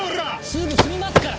すぐ済みますから。